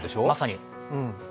まさに。